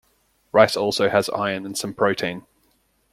Rice also has iron and some protein.